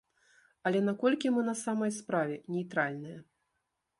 Але наколькі мы на самай справе нейтральныя?